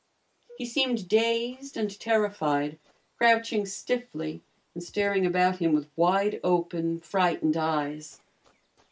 He seemed dazed and terrified, crouching stiffly and staring about him with wide open, frightened eyes.